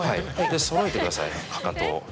でそろえてくださいかかとを。